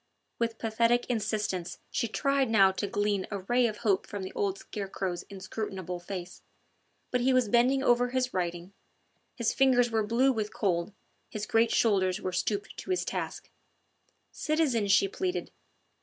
With pathetic insistence she tried now to glean a ray of hope from the old scarecrow's inscrutable face. But he was bending over his writing: his fingers were blue with cold, his great shoulders were stooping to his task. "Citizen," she pleaded.